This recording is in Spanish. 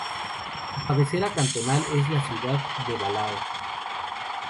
Su cabecera cantonal es la ciudad de Balao.